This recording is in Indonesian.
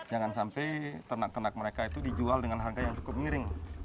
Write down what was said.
jangan sampai ternak ternak mereka itu dijual dengan harga yang cukup miring